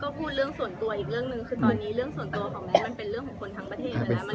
คือตอนนี้เรื่องส่วนตัวของแม้นมันเป็นเรื่องของคนทั้งประเทศแล้วนะ